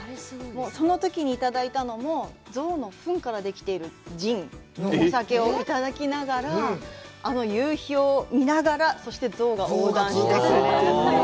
そのときにいただいたのもゾウのフンからできているジンのお酒をいただきながら、あの夕日を見ながら、そして、ゾウが横断してくれるという。